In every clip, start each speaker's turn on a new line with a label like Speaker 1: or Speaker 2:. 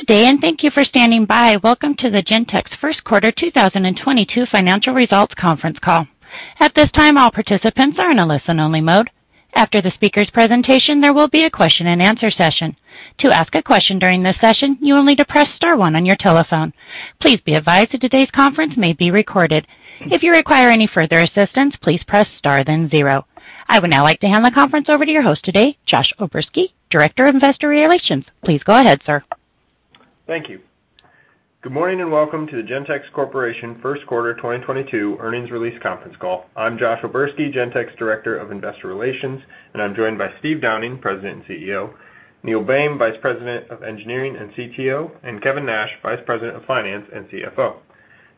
Speaker 1: Good day, and thank you for standing by. Welcome to the Gentex First Quarter 2022 Financial Results Conference Call. At this time, all participants are in a listen-only mode. After the speaker's presentation, there will be a question-and-answer session. To ask a question during this session, you will need to press star one on your telephone. Please be advised that today's conference may be recorded. If you require any further assistance, please press star, then zero. I would now like to hand the conference over to your host today, Josh O'Bersky, Director of Investor Relations. Please go ahead, sir.
Speaker 2: Thank you. Good morning, and welcome to the Gentex Corporation First Quarter 2022 Earnings Release Conference Call. I'm Josh O'Bersky, Gentex Director of Investor Relations, and I'm joined by Steve Downing, President and CEO, Neil Boehm, Vice President of Engineering and CTO, and Kevin Nash, Vice President of Finance and CFO.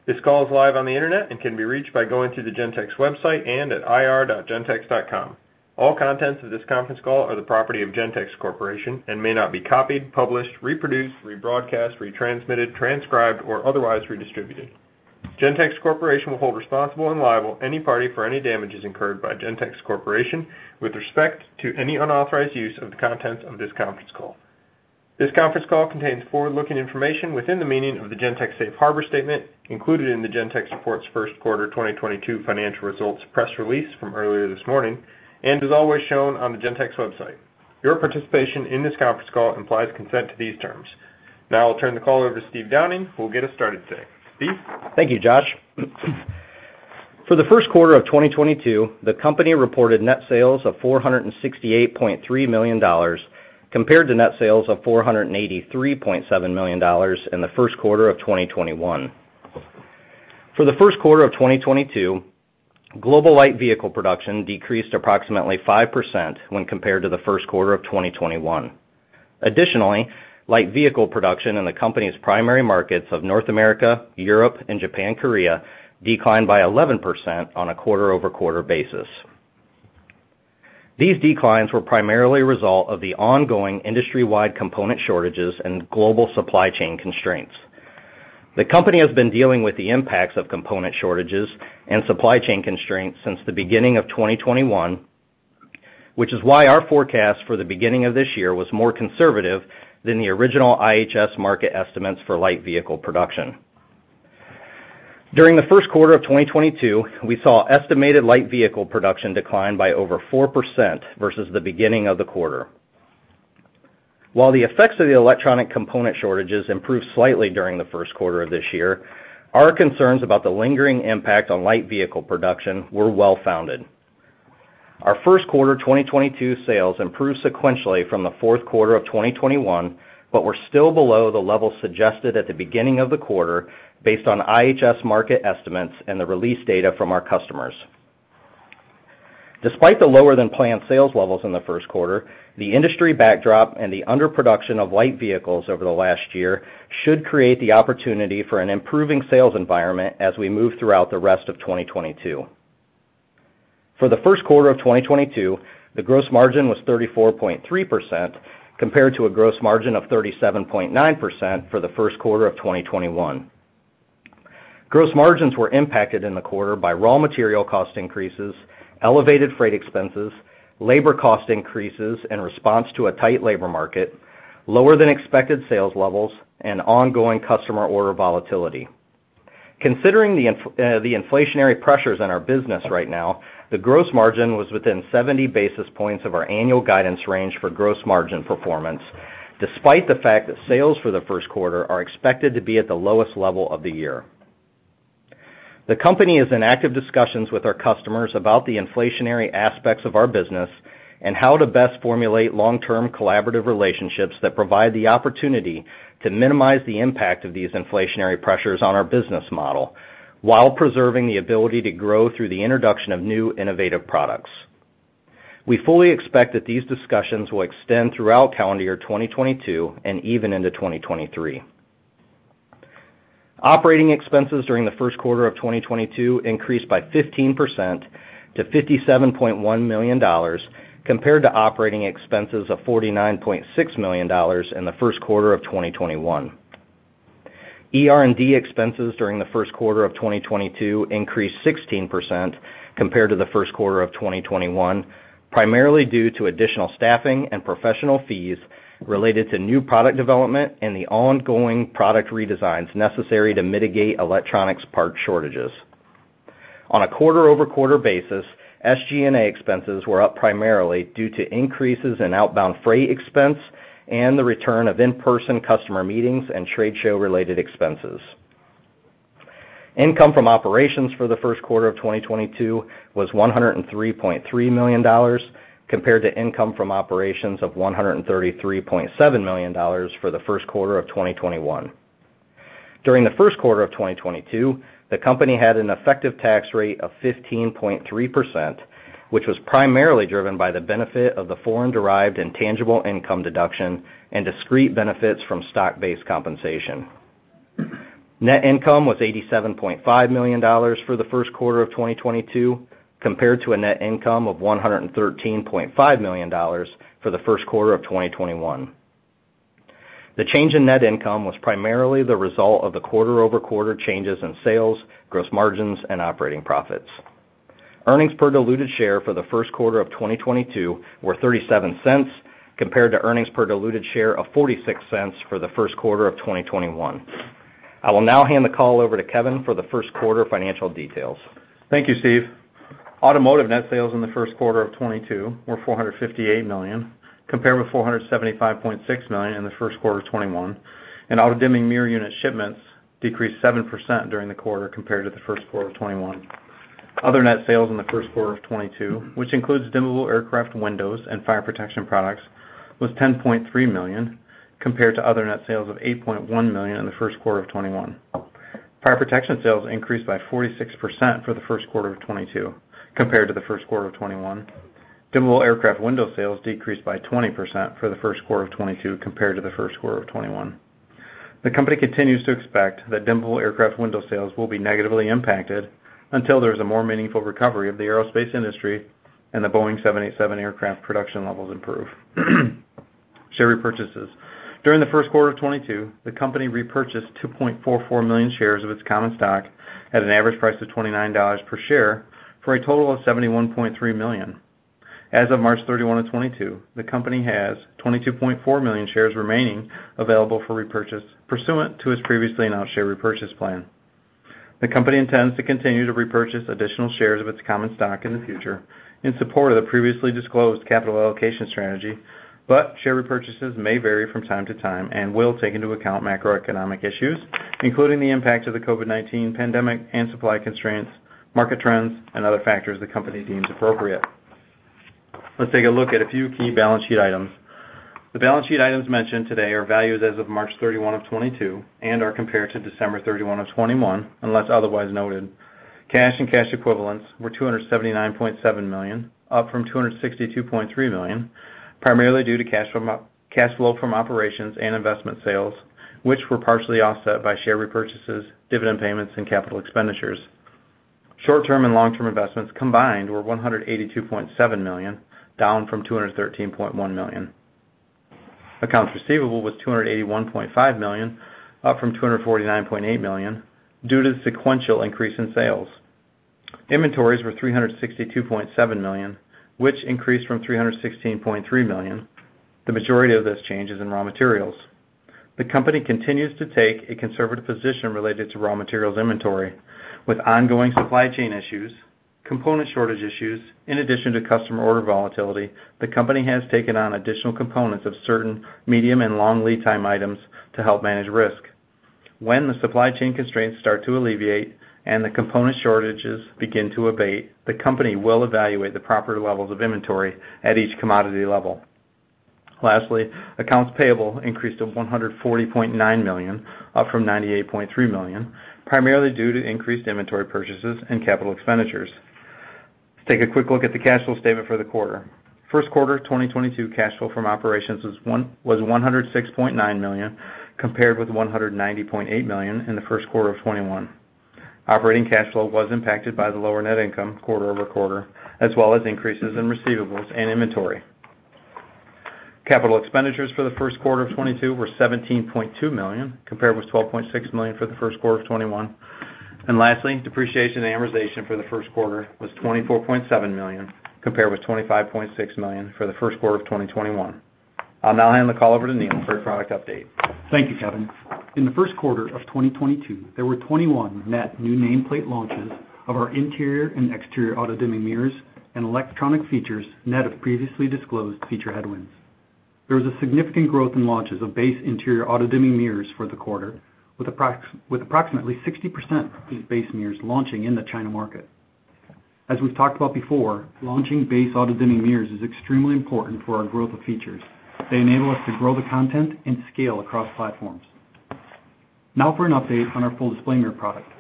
Speaker 2: This call is live on the Internet and can be reached by going to the Gentex website and at ir.gentex.com. All contents of this conference call are the property of Gentex Corporation and may not be copied, published, reproduced, rebroadcast, retransmitted, transcribed, or otherwise redistributed. Gentex Corporation will hold responsible and liable any party for any damages incurred by Gentex Corporation with respect to any unauthorized use of the contents of this conference call. This conference call contains forward-looking information within the meaning of the Gentex Safe Harbor statement included in the Gentex report's first quarter 2022 financial results press release from earlier this morning and is always shown on the Gentex website. Your participation in this conference call implies consent to these terms. Now I'll turn the call over to Steve Downing, who will get us started today. Steve?
Speaker 3: Thank you, Josh. For the first quarter of 2022, the company reported net sales of $468.3 million compared to net sales of $483.7 million in the first quarter of 2021. For the first quarter of 2022, global light vehicle production decreased approximately 5% when compared to the first quarter of 2021. Additionally, light vehicle production in the company's primary markets of North America, Europe, and Japan/Korea declined by 11% on a quarter-over-quarter basis. These declines were primarily a result of the ongoing industry-wide component shortages and global supply chain constraints. The company has been dealing with the impacts of component shortages and supply chain constraints since the beginning of 2021, which is why our forecast for the beginning of this year was more conservative than the original IHS Markit estimates for light vehicle production. During the first quarter of 2022, we saw estimated light vehicle production decline by over 4% versus the beginning of the quarter. While the effects of the electronic component shortages improved slightly during the first quarter of this year, our concerns about the lingering impact on light vehicle production were well-founded. Our first quarter 2022 sales improved sequentially from the fourth quarter of 2021, but were still below the level suggested at the beginning of the quarter based on IHS Markit estimates and the release data from our customers. Despite the lower-than-planned sales levels in the first quarter, the industry backdrop and the underproduction of light vehicles over the last year should create the opportunity for an improving sales environment as we move throughout the rest of 2022. For the first quarter of 2022, the gross margin was 34.3% compared to a gross margin of 37.9% for the first quarter of 2021. Gross margins were impacted in the quarter by raw material cost increases, elevated freight expenses, labor cost increases in response to a tight labor market, lower-than-expected sales levels, and ongoing customer order volatility. Considering the inflationary pressures in our business right now, the gross margin was within 70 basis points of our annual guidance range for gross margin performance, despite the fact that sales for the first quarter are expected to be at the lowest level of the year. The company is in active discussions with our customers about the inflationary aspects of our business and how to best formulate long-term collaborative relationships that provide the opportunity to minimize the impact of these inflationary pressures on our business model while preserving the ability to grow through the introduction of new innovative products. We fully expect that these discussions will extend throughout calendar year 2022 and even into 2023. Operating expenses during the first quarter of 2022 increased by 15% to $57.1 million compared to operating expenses of $49.6 million in the first quarter of 2021. ER&D expenses during the first quarter of 2022 increased 16% compared to the first quarter of 2021, primarily due to additional staffing and professional fees related to new product development and the ongoing product redesigns necessary to mitigate electronics part shortages. On a quarter-over-quarter basis, SG&A expenses were up primarily due to increases in outbound freight expense and the return of in-person customer meetings and trade show-related expenses. Income from operations for the first quarter of 2022 was $103.3 million compared to income from operations of $133.7 million for the first quarter of 2021. During the first quarter of 2022, the company had an effective tax rate of 15.3%, which was primarily driven by the benefit of the foreign derived intangible income deduction and discrete benefits from stock-based compensation. Net income was $87.5 million for the first quarter of 2022 compared to a net income of $113.5 million for the first quarter of 2021. The change in net income was primarily the result of the quarter-over-quarter changes in sales, gross margins, and operating profits. Earnings per diluted share for the first quarter of 2022 were $0.37 compared to earnings per diluted share of $0.46 for the first quarter of 2021. I will now hand the call over to Kevin for the first quarter financial details.
Speaker 4: Thank you, Steve. Automotive net sales in the first quarter of 2022 were $458 million, compared with $475.6 million in the first quarter of 2021, and auto-dimming mirror unit shipments decreased 7% during the quarter compared to the first quarter of 2021. Other net sales in the first quarter of 2022, which includes dimmable aircraft windows and fire protection products, was $10.3 million, compared to other net sales of $8.1 million in the first quarter of 2021. Fire protection sales increased by 46% for the first quarter of 2022 compared to the first quarter of 2021. Dimmable aircraft window sales decreased by 20% for the first quarter of 2022 compared to the first quarter of 2021. The company continues to expect that dimmable aircraft windows sales will be negatively impacted until there is a more meaningful recovery of the aerospace industry and the Boeing 787 aircraft production levels improve. Share repurchases. During the first quarter of 2022, the company repurchased 2.44 million shares of its common stock at an average price of $29 per share for a total of $71.3 million. As of March 31st, 2022, the company has 22.4 million shares remaining available for repurchase pursuant to its previously announced share repurchase plan. The company intends to continue to repurchase additional shares of its common stock in the future in support of the previously disclosed capital allocation strategy, but share repurchases may vary from time-to-time and will take into account macroeconomic issues, including the impact of the COVID-19 pandemic and supply constraints, market trends, and other factors the company deems appropriate. Let's take a look at a few key balance sheet items. The balance sheet items mentioned today are valued as of March 31st, 2022 and are compared to December 31st, 2021, unless otherwise noted. Cash and cash equivalents were $279.7 million, up from $262.3 million, primarily due to cash flow from operations and investment sales, which were partially offset by share repurchases, dividend payments, and capital expenditures. Short-term and long-term investments combined were $182.7 million, down from $213.1 million. Accounts receivable was $281.5 million, up from $249.8 million due to the sequential increase in sales. Inventories were $362.7 million, which increased from $316.3 million. The majority of this change is in raw materials. The company continues to take a conservative position related to raw materials inventory. With ongoing supply chain issues, component shortage issues, in addition to customer order volatility, the company has taken on additional components of certain medium and long lead time items to help manage risk. When the supply chain constraints start to alleviate and the component shortages begin to abate, the company will evaluate the proper levels of inventory at each commodity level. Lastly, accounts payable increased to $140.9 million, up from $98.3 million, primarily due to increased inventory purchases and capital expenditures. Let's take a quick look at the cash flow statement for the quarter. First quarter of 2022 cash flow from operations was $106.9 million, compared with $190.8 million in the first quarter of 2021. Operating cash flow was impacted by the lower net income quarter-over-quarter, as well as increases in receivables and inventory. Capital expenditures for the first quarter of 2022 were $17.2 million, compared with $12.6 million for the first quarter of 2021. Lastly, depreciation and amortization for the first quarter was $24.7 million, compared with $25.6 million for the first quarter of 2021. I'll now hand the call over to Neil for a product update.
Speaker 5: Thank you, Kevin. In the first quarter of 2022, there were 21 net new nameplate launches of our interior and exterior auto-dimming mirrors and electronic features net of previously disclosed feature headwinds. There was a significant growth in launches of base interior auto-dimming mirrors for the quarter, with approximately 60% of these base mirrors launching in the China market. As we've talked about before, launching base auto-dimming mirrors is extremely important for our growth of features. They enable us to grow the content and scale across platforms. Now for an update on our Full Display Mirror product.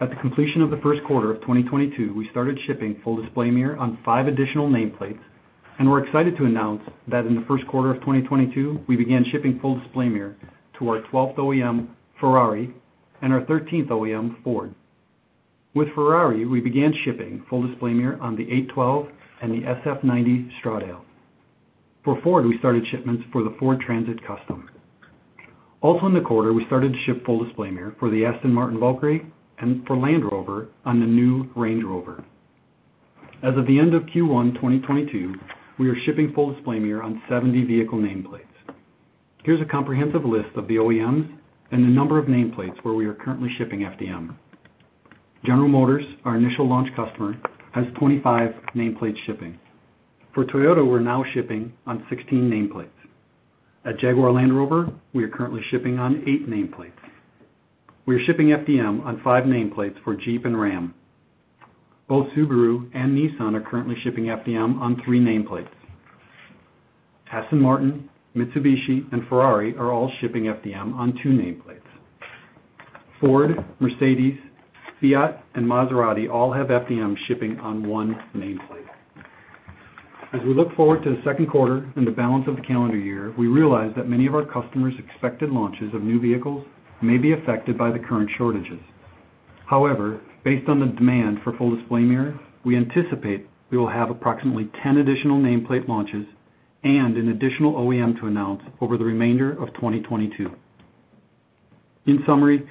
Speaker 5: At the completion of the first quarter of 2022, we started shipping Full Display Mirror on five additional nameplates, and we're excited to announce that in the first quarter of 2022, we began shipping Full Display Mirror to our 12th OEM, Ferrari, and our 13th OEM, Ford. With Ferrari, we began shipping Full Display Mirror on the 812 and the SF90 Stradale. For Ford, we started shipments for the Ford Transit Custom. Also in the quarter, we started to ship Full Display Mirror for the Aston Martin Valkyrie and for Land Rover on the new Range Rover. As of the end of Q1 2022, we are shipping Full Display Mirror on 70 vehicle nameplates. Here's a comprehensive list of the OEMs and the number of nameplates where we are currently shipping FDM. General Motors, our initial launch customer, has 25 nameplates shipping. For Toyota, we're now shipping on 16 nameplates. At Jaguar Land Rover, we are currently shipping on 8 nameplates. We are shipping FDM on five nameplates for Jeep and RAM. Both Subaru and Nissan are currently shipping FDM on three nameplates. Aston Martin, Mitsubishi, and Ferrari are all shipping FDM on two nameplates. Ford, Mercedes, Fiat, and Maserati all have FDM shipping on one nameplate. As we look forward to the second quarter and the balance of the calendar year, we realize that many of our customers' expected launches of new vehicles may be affected by the current shortages. However, based on the demand for Full Display Mirrors, we anticipate we will have approximately 10 additional nameplate launches and an additional OEM to announce over the remainder of 2022. In summary,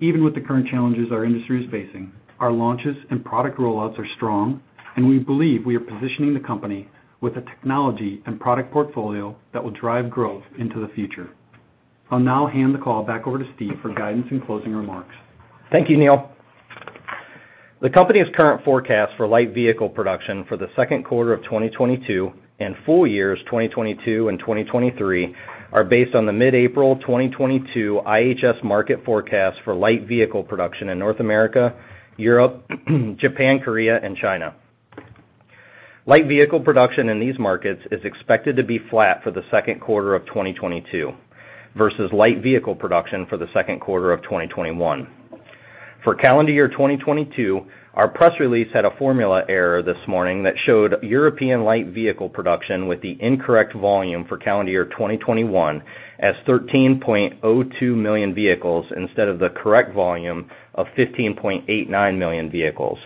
Speaker 5: even with the current challenges our industry is facing, our launches and product rollouts are strong, and we believe we are positioning the company with the technology and product portfolio that will drive growth into the future. I'll now hand the call back over to Steve for guidance and closing remarks.
Speaker 3: Thank you, Neil. The company's current forecast for light vehicle production for the second quarter of 2022 and full years 2022 and 2023 are based on the mid-April 2022 IHS Markit forecast for light vehicle production in North America, Europe, Japan, Korea, and China. Light vehicle production in these markets is expected to be flat for the second quarter of 2022 versus light vehicle production for the second quarter of 2021. For calendar year 2022, our press release had a formula error this morning that showed European light vehicle production with the incorrect volume for calendar year 2021 as 13.02 million vehicles instead of the correct volume of 15.89 million vehicles.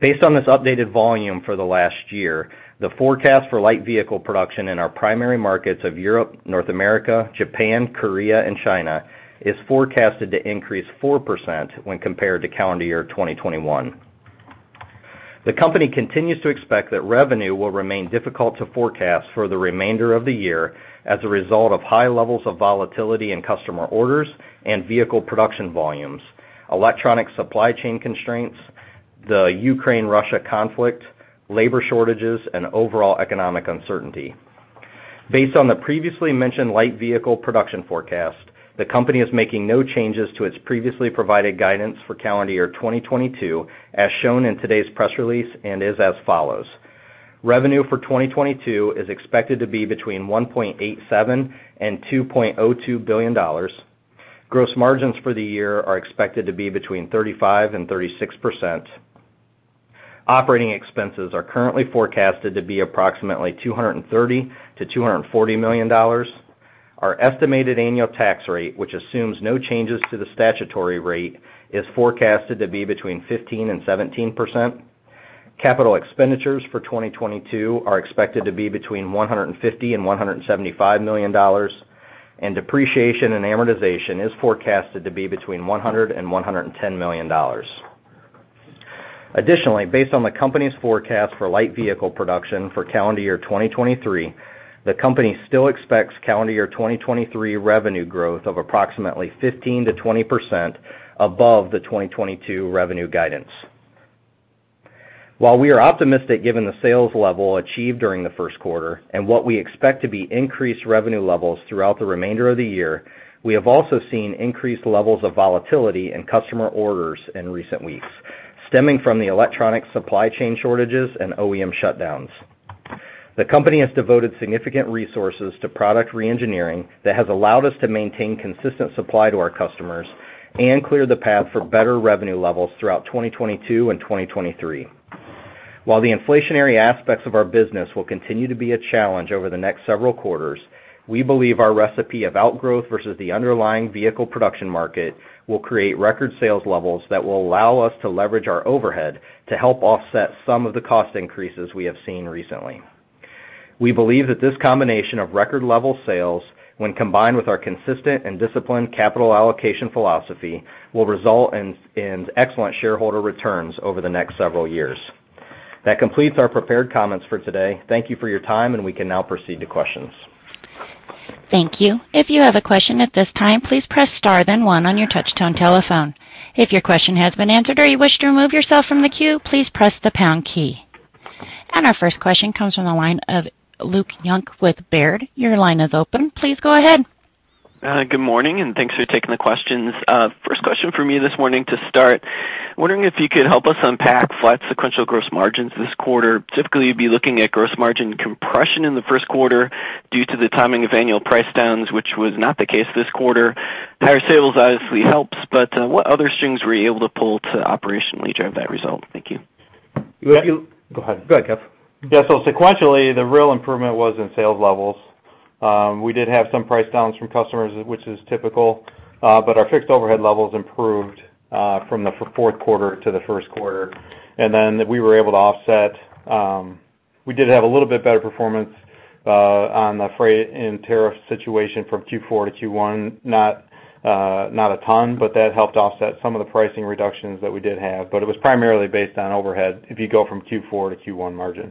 Speaker 3: Based on this updated volume for the last year, the forecast for light vehicle production in our primary markets of Europe, North America, Japan, Korea, and China is forecasted to increase 4% when compared to calendar year 2021. The company continues to expect that revenue will remain difficult to forecast for the remainder of the year as a result of high levels of volatility in customer orders and vehicle production volumes, electronic supply chain constraints, the Ukraine-Russia conflict, labor shortages, and overall economic uncertainty. Based on the previously mentioned light vehicle production forecast, the company is making no changes to its previously provided guidance for calendar year 2022, as shown in today's press release and is as follows. Revenue for 2022 is expected to be between $1.87 billion and $2.02 billion. Gross margins for the year are expected to be between 35%-36%. Operating expenses are currently forecasted to be approximately $230 million-$240 million. Our estimated annual tax rate, which assumes no changes to the statutory rate, is forecasted to be between 15%-17%. Capital expenditures for 2022 are expected to be between $150 million-$175 million, and depreciation and amortization is forecasted to be between $100 million-$110 million. Additionally, based on the company's forecast for light vehicle production for calendar year 2023, the company still expects calendar year 2023 revenue growth of approximately 15%-20% above the 2022 revenue guidance. While we are optimistic given the sales level achieved during the first quarter and what we expect to be increased revenue levels throughout the remainder of the year, we have also seen increased levels of volatility in customer orders in recent weeks, stemming from the electronic supply chain shortages and OEM shutdowns. The company has devoted significant resources to product reengineering that has allowed us to maintain consistent supply to our customers and clear the path for better revenue levels throughout 2022 and 2023. While the inflationary aspects of our business will continue to be a challenge over the next several quarters, we believe our recipe of outgrowth versus the underlying vehicle production market will create record sales levels that will allow us to leverage our overhead to help offset some of the cost increases we have seen recently. We believe that this combination of record level sales, when combined with our consistent and disciplined capital allocation philosophy, will result in excellent shareholder returns over the next several years. That completes our prepared comments for today. Thank you for your time, and we can now proceed to questions.
Speaker 1: Thank you. If you have a question at this time, please press star then one on your touchtone telephone. If your question has been answered or you wish to remove yourself from the queue, please press the pound key. Our first question comes from the line of Luke Junk with Baird. Your line is open. Please go ahead.
Speaker 6: Good morning, and thanks for taking the questions. First question from me this morning to start. Wondering if you could help us unpack flat sequential gross margins this quarter. Typically, you'd be looking at gross margin compression in the first quarter due to the timing of annual price downs, which was not the case this quarter. Higher sales obviously helps, but what other strings were you able to pull to operationally drive that result? Thank you.
Speaker 3: If you-
Speaker 4: Go ahead.
Speaker 3: Go ahead, Kev.
Speaker 4: Yeah. Sequentially, the real improvement was in sales levels. We did have some price downs from customers, which is typical, but our fixed overhead levels improved from the fourth quarter to the first quarter. We were able to offset. We did have a little bit better performance on the freight and tariff situation from Q4 to Q1. Not a ton, but that helped offset some of the pricing reductions that we did have. It was primarily based on overhead if you go from Q4 to Q1 margin.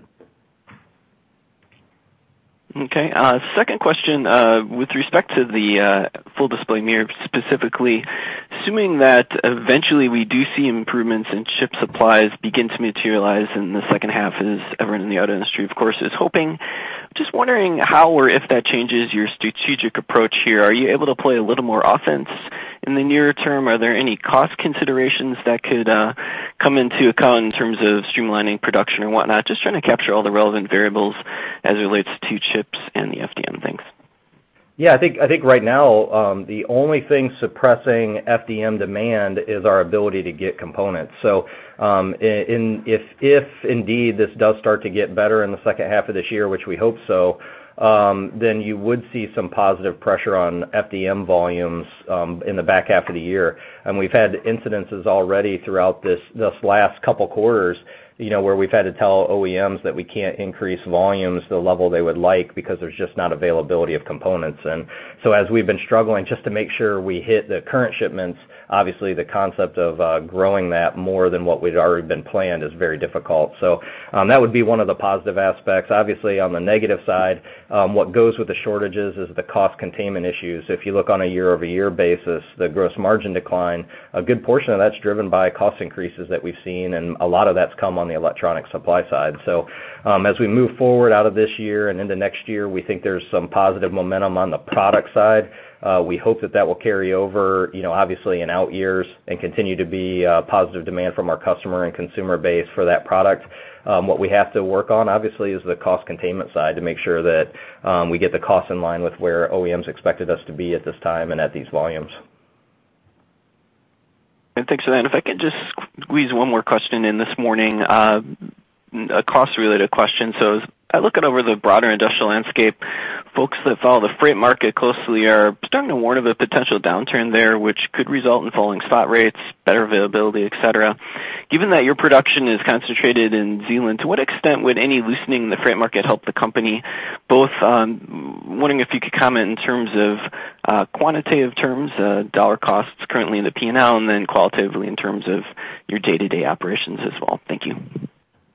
Speaker 6: Okay. Second question. With respect to the Full Display Mirror, specifically, assuming that eventually we do see improvements in chip supplies begin to materialize in the second half, as everyone in the auto industry, of course, is hoping, just wondering how or if that changes your strategic approach here? Are you able to play a little more offense in the nearer term? Are there any cost considerations that could come into account in terms of streamlining production or whatnot? Just trying to capture all the relevant variables as it relates to chips and the FDM. Thanks.
Speaker 3: Yeah, I think right now the only thing suppressing FDM demand is our ability to get components. If indeed this does start to get better in the second half of this year, which we hope so, then you would see some positive pressure on FDM volumes in the back half of the year. We've had incidences already throughout this last couple quarters, you know, where we've had to tell OEMs that we can't increase volumes to the level they would like because there's just not availability of components. As we've been struggling just to make sure we hit the current shipments, obviously the concept of growing that more than what we'd already been planned is very difficult. That would be one of the positive aspects. Obviously, on the negative side, what goes with the shortages is the cost containment issues. If you look on a year-over-year basis, the gross margin decline, a good portion of that's driven by cost increases that we've seen, and a lot of that's come on the electronic supply side. As we move forward out of this year and into next year, we think there's some positive momentum on the product side. We hope that that will carry over, you know, obviously in out years and continue to be positive demand from our customer and consumer base for that product. What we have to work on obviously is the cost containment side to make sure that we get the costs in line with where OEMs expected us to be at this time and at these volumes.
Speaker 6: Thanks for that. If I can just squeeze one more question in this morning, a cost-related question. As I look at over the broader industrial landscape, folks that follow the freight market closely are starting to warn of a potential downturn there, which could result in falling spot rates, better availability, et cetera. Given that your production is concentrated in Zeeland, to what extent would any loosening in the freight market help the company? Both, wondering if you could comment in terms of quantitative terms, dollar costs currently in the P&L, and then qualitatively in terms of your day-to-day operations as well. Thank you.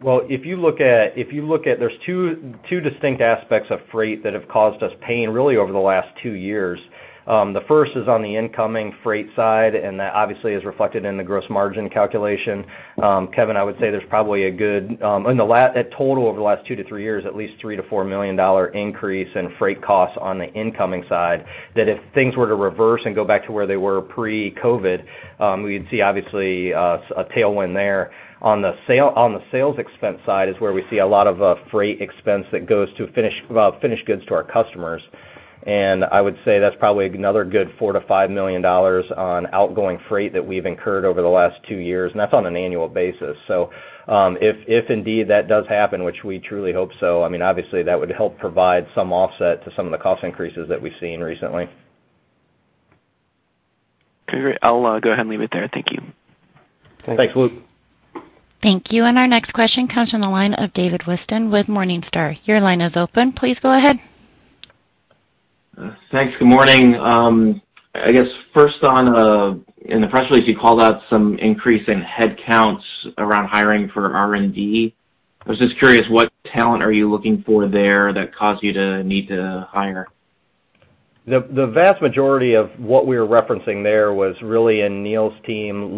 Speaker 3: Well, if you look at there's two distinct aspects of freight that have caused us pain really over the last two years. The first is on the incoming freight side, and that obviously is reflected in the gross margin calculation. Kevin, I would say there's probably a good at total over the last two to three years, at least $3 million-$4 million increase in freight costs on the incoming side. That, if things were to reverse and go back to where they were pre-COVID, we'd see obviously a tailwind there. On the sales expense side is where we see a lot of freight expense that goes to finished goods to our customers. I would say that's probably another good $4 million-$5 million on outgoing freight that we've incurred over the last two years, and that's on an annual basis. If indeed that does happen, which we truly hope so, I mean, obviously that would help provide some offset to some of the cost increases that we've seen recently.
Speaker 6: Great. I'll go ahead and leave it there. Thank you.
Speaker 3: Thanks, Luke.
Speaker 1: Thank you. Our next question comes from the line of David Whiston with Morningstar. Your line is open. Please go ahead.
Speaker 7: Thanks. Good morning. I guess first on, in the press release, you called out some increase in headcounts around hiring for R&D. I was just curious, what talent are you looking for there that caused you to need to hire?
Speaker 3: The vast majority of what we were referencing there was really in Neil's team.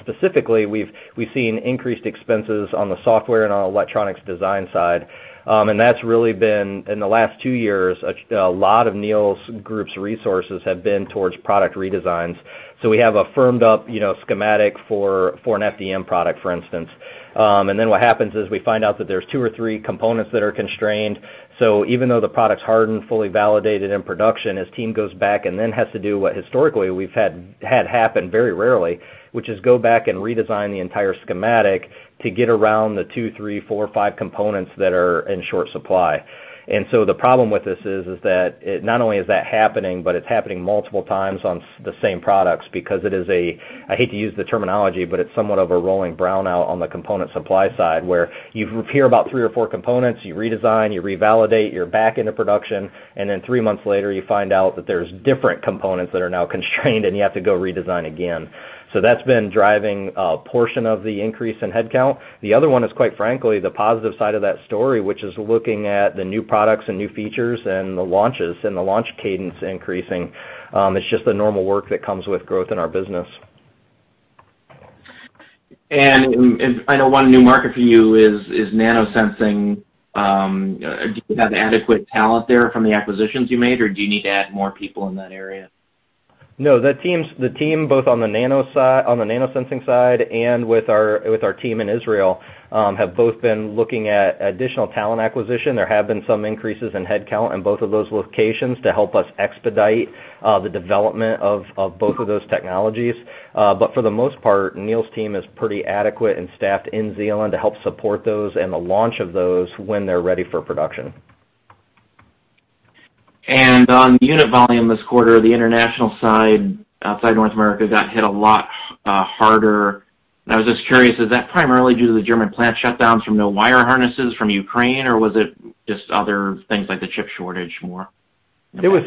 Speaker 3: Specifically, we've seen increased expenses on the software and on electronics design side. That's really been, in the last two years, a lot of Neil's group's resources have been towards product redesigns. We have a firmed up, you know, schematic for an FDM product, for instance. Then what happens is we find out that there's two or three components that are constrained. Even though the product's hardened, fully validated in production, his team goes back and then has to do what historically we've had happen very rarely, which is go back and redesign the entire schematic to get around the two, three, four, five components that are in short supply. The problem with this is that it not only is that happening, but it's happening multiple times on the same products because it is a, I hate to use the terminology, but it's somewhat of a rolling brownout on the component supply side, where you hear about three or four components, you redesign, you revalidate, you're back into production, and then three months later, you find out that there's different components that are now constrained and you have to go redesign again. That's been driving a portion of the increase in headcount. The other one is quite frankly, the positive side of that story, which is looking at the new products and new features and the launches and the launch cadence increasing. It's just the normal work that comes with growth in our business.
Speaker 7: I know one new market for you is nanosensing. Do you have adequate talent there from the acquisitions you made, or do you need to add more people in that area?
Speaker 3: No. The team both on the nanosensing side and with our team in Israel have both been looking at additional talent acquisition. There have been some increases in headcount in both of those locations to help us expedite the development of both of those technologies. For the most part, Neil's team is pretty adequate and staffed in Zeeland to help support those and the launch of those when they're ready for production.
Speaker 7: On unit volume this quarter, the international side outside North America got hit a lot harder. I was just curious, is that primarily due to the German plant shutdowns from no wire harnesses from Ukraine, or was it just other things like the chip shortage more?
Speaker 3: It was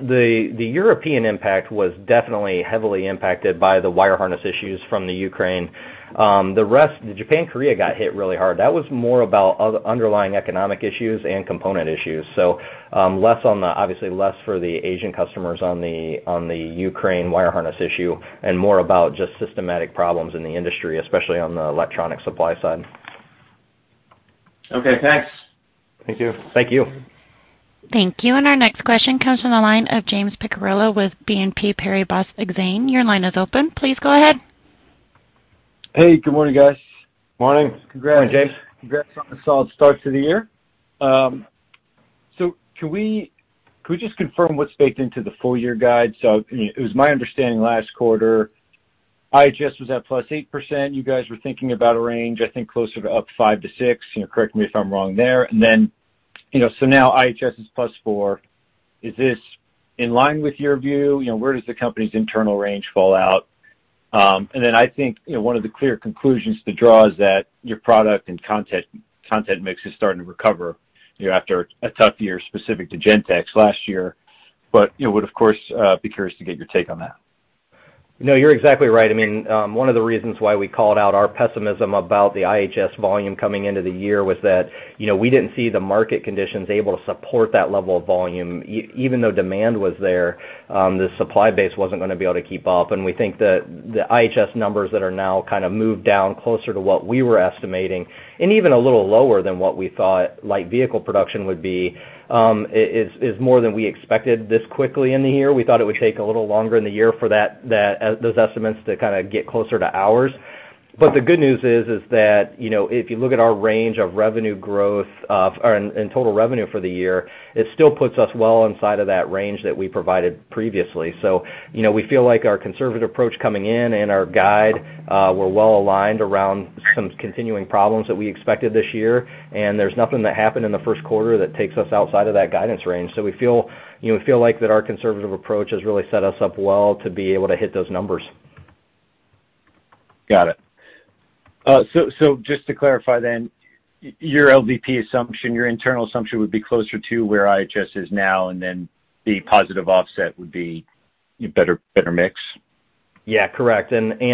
Speaker 3: the European impact was definitely heavily impacted by the wire harness issues from Ukraine. The rest, Japan, Korea got hit really hard. That was more about other underlying economic issues and component issues. Obviously less for the Asian customers on the Ukraine wire harness issue and more about just systematic problems in the industry, especially on the electronic supply side.
Speaker 7: Okay, thanks.
Speaker 3: Thank you.
Speaker 1: Thank you. Our next question comes from the line of James Picariello with BNP Paribas Exane. Your line is open. Please go ahead.
Speaker 8: Hey, good morning, guys.
Speaker 9: Morning.
Speaker 3: Morning, James.
Speaker 8: Congrats on the solid start to the year. Can we just confirm what's baked into the full year guide? It was my understanding last quarter, IHS was at +8%. You guys were thinking about a range, I think closer to up 5%-6%, you know, correct me if I'm wrong there. Then, you know, now IHS is +4%. Is this in line with your view? You know, where does the company's internal range fall out? I think, you know, one of the clear conclusions to draw is that your product and content mix is starting to recover, you know, after a tough year specific to Gentex last year. You know, would, of course, be curious to get your take on that.
Speaker 3: No, you're exactly right. I mean, one of the reasons why we called out our pessimism about the IHS volume coming into the year was that, you know, we didn't see the market conditions able to support that level of volume. Even though demand was there, the supply base wasn't gonna be able to keep up, and we think that the IHS numbers that are now kind of moved down closer to what we were estimating, and even a little lower than what we thought light vehicle production would be, is more than we expected this quickly in the year. We thought it would take a little longer in the year for that, those estimates to kind of get closer to ours. The good news is that, you know, if you look at our range of revenue growth or total revenue for the year, it still puts us well inside of that range that we provided previously. You know, we feel like our conservative approach coming in and our guide were well aligned around some continuing problems that we expected this year, and there's nothing that happened in the first quarter that takes us outside of that guidance range. We feel, you know, like that our conservative approach has really set us up well to be able to hit those numbers.
Speaker 8: Got it. Just to clarify then, your LVP assumption, your internal assumption would be closer to where IHS is now, and then the positive offset would be better mix.
Speaker 3: Yeah, correct. Like we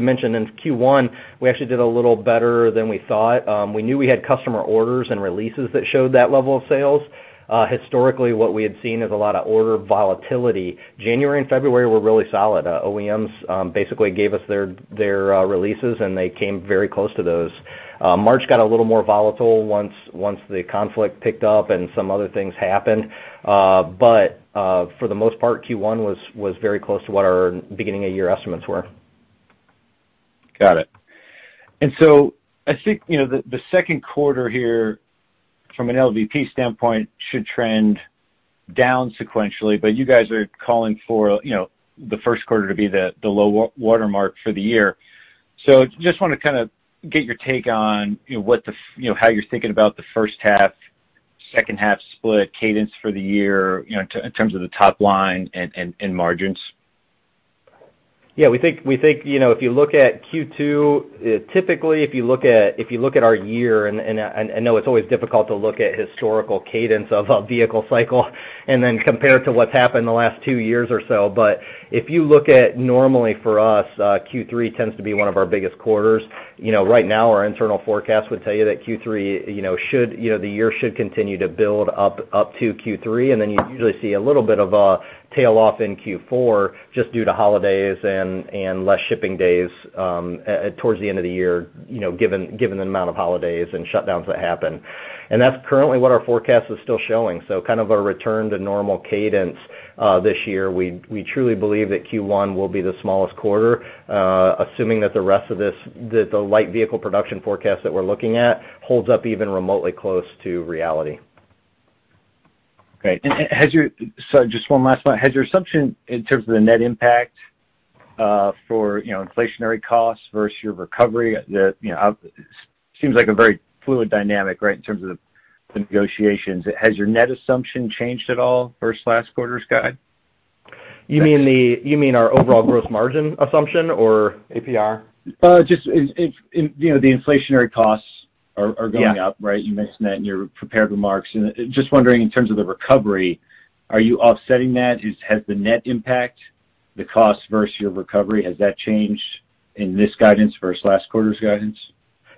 Speaker 3: mentioned in Q1, we actually did a little better than we thought. We knew we had customer orders and releases that showed that level of sales. Historically, what we had seen is a lot of order volatility. January and February were really solid. OEMs basically gave us their releases, and they came very close to those. March got a little more volatile once the conflict picked up and some other things happened. For the most part, Q1 was very close to what our beginning of year estimates were.
Speaker 8: Got it. I think, you know, the second quarter here from an LVP standpoint should trend down sequentially, but you guys are calling for, you know, the first quarter to be the low-water mark for the year. I just wanna kind of get your take on, you know, what, you know, how you're thinking about the first half, second half split cadence for the year, you know, in terms of the top line and margins.
Speaker 3: Yeah, we think, you know, if you look at Q2, typically, if you look at our year and I know it's always difficult to look at historical cadence of a vehicle cycle and then compare it to what's happened in the last two years or so. If you look at normally for us, Q3 tends to be one of our biggest quarters. You know, right now, our internal forecast would tell you that Q3, you know, should, you know, the year should continue to build up to Q3, and then you usually see a little bit of a tail off in Q4 just due to holidays and less shipping days towards the end of the year, you know, given the amount of holidays and shutdowns that happen. That's currently what our forecast is still showing. Kind of a return to normal cadence this year. We truly believe that Q1 will be the smallest quarter, assuming that the rest of this, the light vehicle production forecast that we're looking at holds up even remotely close to reality.
Speaker 8: Great. Just one last one. Has your assumption in terms of the net impact for, you know, inflationary costs versus your recovery seems like a very fluid dynamic, right, in terms of the negotiations. Has your net assumption changed at all versus last quarter's guide?
Speaker 3: You mean our overall gross margin assumption or ASP?
Speaker 8: Just in, you know, the inflationary costs are going up, right?
Speaker 3: Yeah.
Speaker 8: You mentioned that in your prepared remarks. Just wondering in terms of the recovery, are you offsetting that? Has the net impact, the cost versus your recovery, has that changed in this guidance versus last quarter's guidance?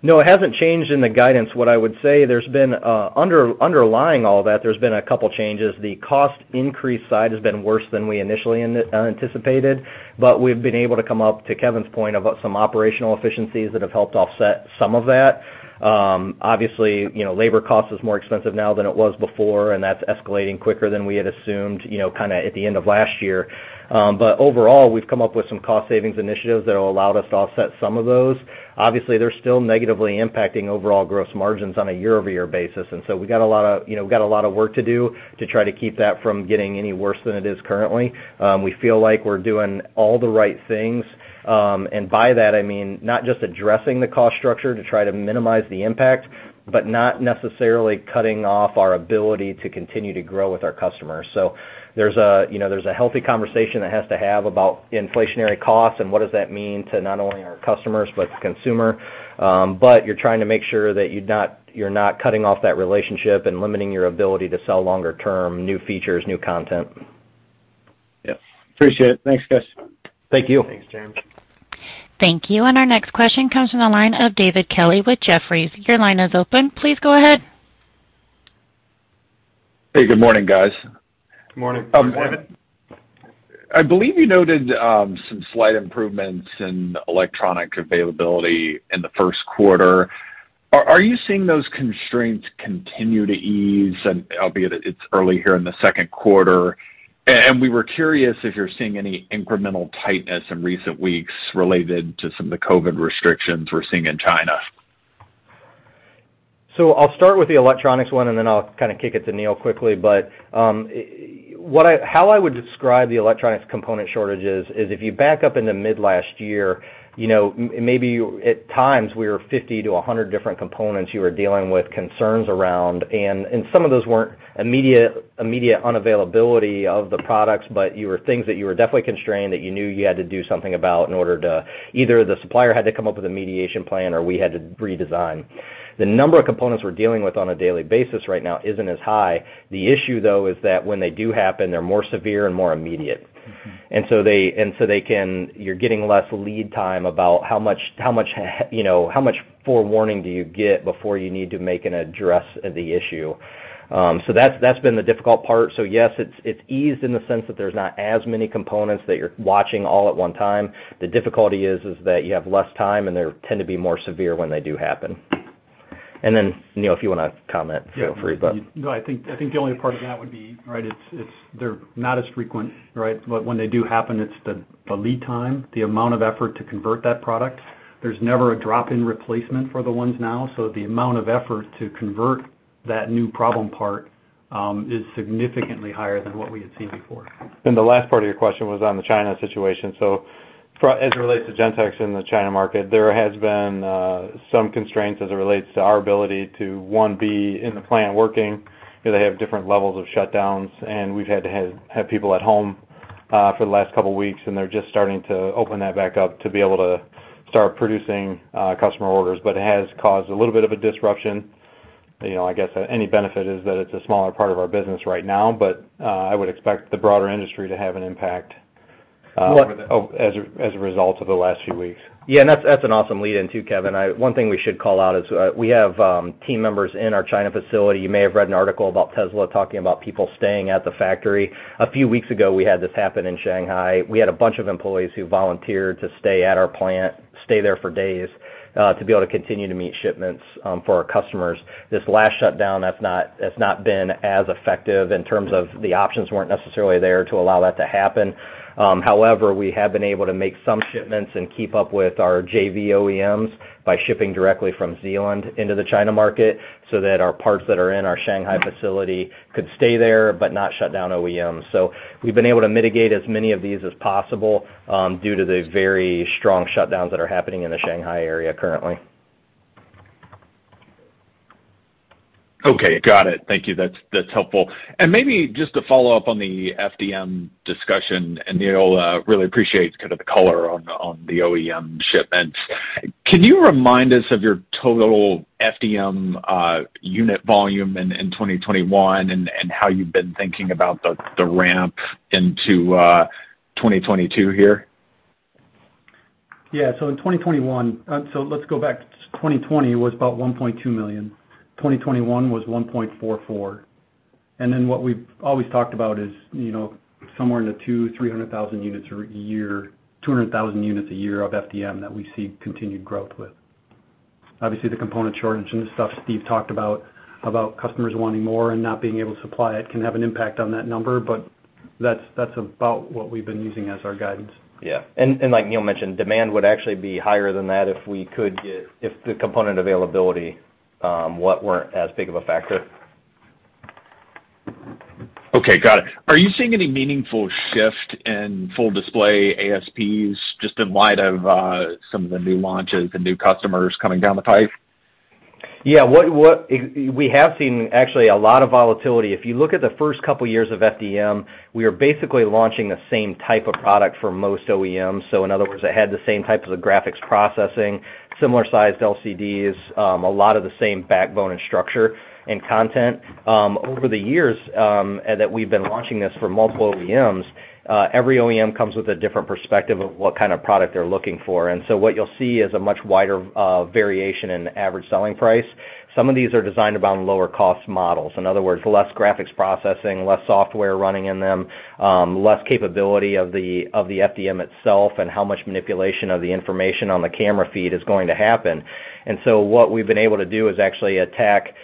Speaker 3: No, it hasn't changed in the guidance. What I would say, there's been underlying all that, there's been a couple changes. The cost increase side has been worse than we initially anticipated, but we've been able to come up, to Kevin's point, of some operational efficiencies that have helped offset some of that. Obviously, you know, labor cost is more expensive now than it was before, and that's escalating quicker than we had assumed, you know, kinda at the end of last year. But overall, we've come up with some cost savings initiatives that will allow us to offset some of those. Obviously, they're still negatively impacting overall gross margins on a year-over-year basis, and so you know, we've got a lot of work to do to try to keep that from getting any worse than it is currently. We feel like we're doing all the right things, and by that, I mean, not just addressing the cost structure to try to minimize the impact, but not necessarily cutting off our ability to continue to grow with our customers. There's a, you know, there's a healthy conversation that has to have about inflationary costs and what does that mean to not only our customers, but the consumer. You're trying to make sure that you're not cutting off that relationship and limiting your ability to sell longer term, new features, new content.
Speaker 8: Yeah. Appreciate it. Thanks, guys.
Speaker 3: Thank you.
Speaker 9: Thanks, James.
Speaker 1: Thank you. Our next question comes from the line of David Kelley with Jefferies. Your line is open. Please go ahead.
Speaker 10: Hey, good morning, guys.
Speaker 9: Good morning.
Speaker 3: Good morning.
Speaker 10: I believe you noted some slight improvements in electronic availability in the first quarter. Are you seeing those constraints continue to ease? Albeit it's early here in the second quarter? We were curious if you're seeing any incremental tightness in recent weeks related to some of the COVID restrictions we're seeing in China?
Speaker 3: I'll start with the electronics one, and then I'll kind of kick it to Neil quickly. How I would describe the electronics component shortages is if you back up into mid last year, you know, maybe at times we were 50-100 different components you were dealing with concerns around. Some of those weren't immediate unavailability of the products, but they were things that were definitely constrained that you knew you had to do something about in order to either the supplier had to come up with a mitigation plan or we had to redesign. The number of components we're dealing with on a daily basis right now isn't as high. The issue, though, is that when they do happen, they're more severe and more immediate.
Speaker 10: Mm-hmm.
Speaker 3: You're getting less lead time about how much, you know, forewarning you get before you need to make and address the issue. That's been the difficult part. Yes, it's eased in the sense that there's not as many components that you're watching all at one time. The difficulty is that you have less time, and they tend to be more severe when they do happen. Neil, if you wanna comment, feel free. But
Speaker 5: Yeah. No, I think the only part of that would be, right, it's they're not as frequent, right? When they do happen, it's the lead time, the amount of effort to convert that product. There's never a drop-in replacement for the ones now, so the amount of effort to convert that new problem part is significantly higher than what we had seen before.
Speaker 10: The last part of your question was on the China situation. As it relates to Gentex in the China market, there has been some constraints as it relates to our ability to, one, be in the plant working. You know, they have different levels of shutdowns, and we've had to have people at home for the last couple weeks, and they're just starting to open that back up to be able to start producing customer orders. But it has caused a little bit of a disruption. You know, I guess any benefit is that it's a smaller part of our business right now. But I would expect the broader industry to have an impact.
Speaker 3: Well-
Speaker 10: As a result of the last few weeks.
Speaker 3: Yeah. That's an awesome lead in, too, David. One thing we should call out is we have team members in our China facility. You may have read an article about Tesla talking about people staying at the factory. A few weeks ago, we had this happen in Shanghai. We had a bunch of employees who volunteered to stay at our plant, stay there for days, to be able to continue to meet shipments for our customers. This last shutdown, that's not been as effective in terms of the options weren't necessarily there to allow that to happen. However, we have been able to make some shipments and keep up with our JV OEMs by shipping directly from Zeeland into the China market, so that our parts that are in our Shanghai facility could stay there but not shut down OEMs. We've been able to mitigate as many of these as possible, due to the very strong shutdowns that are happening in the Shanghai area currently.
Speaker 10: Okay. Got it. Thank you. That's helpful. Maybe just to follow up on the FDM discussion, and Neil really appreciates kind of the color on the OEM shipments. Can you remind us of your total FDM unit volume in 2021 and how you've been thinking about the ramp into 2022 here?
Speaker 5: Let's go back to 2020. It was about 1.2 million units. 2021 was 1.44 million units. What we've always talked about is, you know, somewhere in the 200,000-300,000 units a year, 200,000 units a year of FDM that we see continued growth with. Obviously, the component shortage and the stuff Steve talked about customers wanting more and not being able to supply it can have an impact on that number. That's about what we've been using as our guidance.
Speaker 3: Like Neil mentioned, demand would actually be higher than that if the component availability wasn't as big of a factor.
Speaker 10: Okay. Got it. Are you seeing any meaningful shift in Full Display ASPs just in light of some of the new launches and new customers coming down the pipe?
Speaker 3: Yeah. We have seen actually a lot of volatility. If you look at the first couple years of FDM, we are basically launching the same type of product for most OEMs. In other words, it had the same types of graphics processing, similar sized LCDs, a lot of the same backbone and structure and content. Over the years that we've been launching this for multiple OEMs, every OEM comes with a different perspective of what kind of product they're looking for. What you'll see is a much wider variation in average selling price. Some of these are designed around lower cost models. In other words, less graphics processing, less software running in them, less capability of the FDM itself and how much manipulation of the information on the camera feed is going to happen. What we've been able to do is actually attack